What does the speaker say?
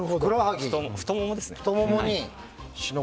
太ももですね。